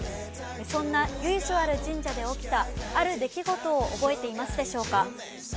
そんな由緒ある神社で起きたある出来事を覚えていますでしょうか。